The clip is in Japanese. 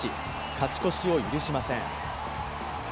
勝ち越しを許しません。